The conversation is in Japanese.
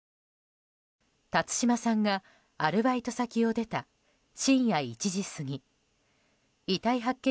辰島さんがアルバイト先を出た深夜１時過ぎ遺体発見